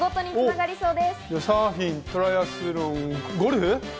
サーフィン、トライアスロン、ゴルフ。